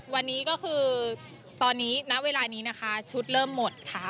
วันนี้ก็คือตอนนี้ณเวลานี้นะคะชุดเริ่มหมดค่ะ